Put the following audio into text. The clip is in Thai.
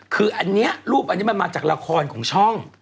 คืออันนี้รูปมาจากละครของช้อง